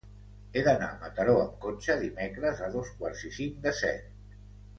He d'anar a Mataró amb cotxe dimecres a dos quarts i cinc de set.